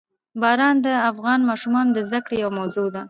باران د افغان ماشومانو د زده کړې یوه موضوع ده.